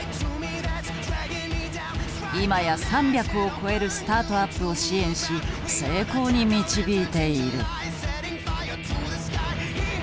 今や３００を超えるスタートアップを支援し成功に導いている。